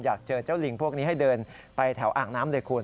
อยากเจอเจ้าลิงพวกนี้ให้เดินไปแถวอ่างน้ำเลยคุณ